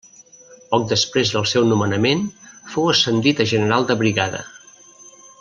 Poc després del seu nomenament fou ascendit a general de brigada.